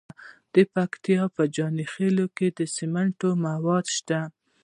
د پکتیا په جاني خیل کې د سمنټو مواد شته.